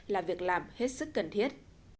là việc làm hết sức cần thiết